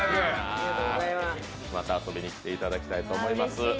また遊びに来ていただきたいと思います。